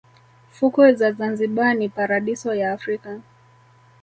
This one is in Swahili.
fukwe za zanzibar ni paradiso ya africa